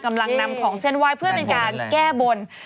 กำลังนำของเส้นไหว้เพื่อเป็นการแก้บน